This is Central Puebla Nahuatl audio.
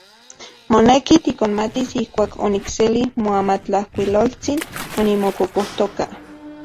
Moneki tikonmatis ijkuak onikseli moamatlajkuiloltsin onimokokojtoka.